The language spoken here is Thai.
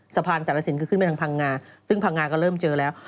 สารสินคือขึ้นไปทางพังงาซึ่งพังงาก็เริ่มเจอแล้ว